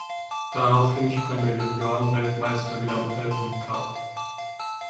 Daraufhin sprang der Juniorenweltmeister wieder im Alpencup.